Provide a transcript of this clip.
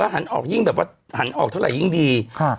หันออกเบาะหันออกเท่าไหร่ยิ่งดี